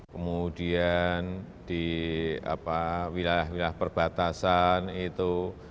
kemudian di wilayah wilayah perbatasan itu